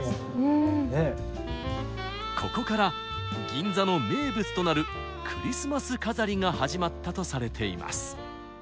ここから銀座の名物となるクリスマス飾りが始まったとされています。